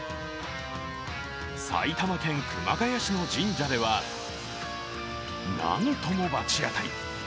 埼玉県熊谷市の神社では、なんとも罰当たり。